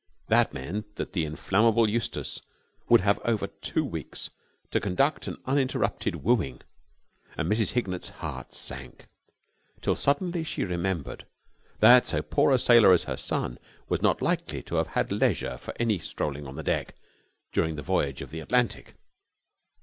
That meant that the inflammable Eustace would have over two weeks to conduct an uninterrupted wooing, and Mrs. Hignett's heart sank, till suddenly she remembered that so poor a sailor as her son was not likely to have had leisure for any strolling on the deck during the voyage of the Atlantic.